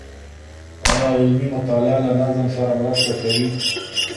آيا علمي مطالعه له نظم سره مرسته کوي؟